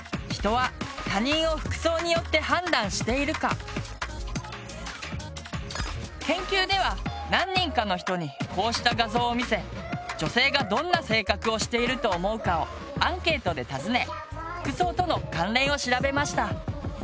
論文のタイトルは研究では何人かの人にこうした画像を見せ「女性がどんな性格をしていると思うか」をアンケートで尋ね服装との関連を調べました。